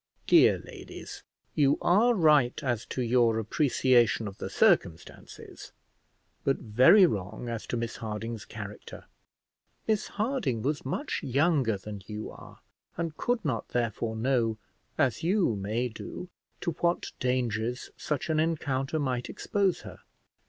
Dear ladies, you are right as to your appreciation of the circumstances, but very wrong as to Miss Harding's character. Miss Harding was much younger than you are, and could not, therefore, know, as you may do, to what dangers such an encounter might expose her.